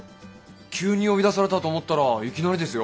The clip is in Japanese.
急に呼び出されたと思ったらいきなりですよ。